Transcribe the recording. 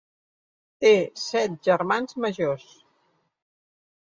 Té set germans majors.